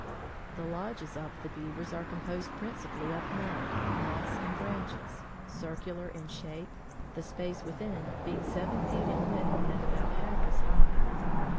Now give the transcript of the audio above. The lodges of the beavers are composed principally of mud, moss and branches, circular in shape, the space within being seven feet in width and about half as high.